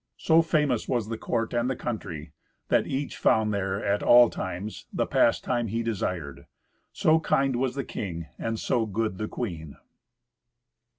So famous was the court and the country, that each found there, at all times, the pastime he desired; so kind was the king and so good the queen.